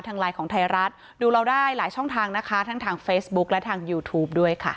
ไลน์ของไทยรัฐดูเราได้หลายช่องทางนะคะทั้งทางเฟซบุ๊คและทางยูทูปด้วยค่ะ